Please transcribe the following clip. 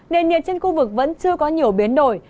nền nhiệt trên khu vực vẫn chưa có nhiều biến đổi